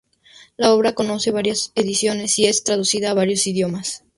La obra conoce varias ediciones y es traducida a varios idiomas.